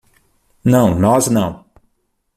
Não, nós não!